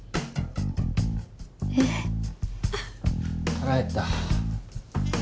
腹減った。